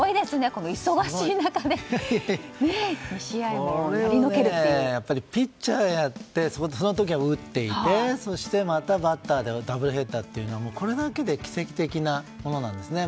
これはピッチャーやってその時も打っていてそしてまたバッターでダブルヘッダーというのはこれだけで奇跡的なものなんですね。